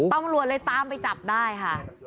ตำรวจเลยตามไปจับได้ค่ะ